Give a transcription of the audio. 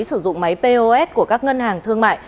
sử dụng máy pos của các ngân hàng thương mại